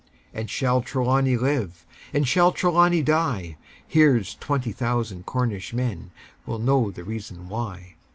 And shall Trelawny live? Or shall Trelawny die? Here's twenty thousand Cornish men Will know the reason why!